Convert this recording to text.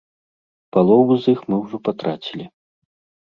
Палову з іх мы ўжо патрацілі.